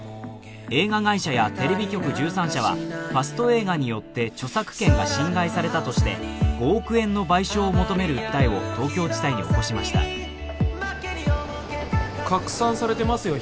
映画会社やテレビ局１３社はファスト映画によって著作権が侵害されたとして５億円の賠償を求める訴えを東京地裁に起こしました拡散されてますよ